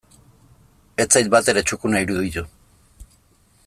Ez zait batere txukuna iruditu.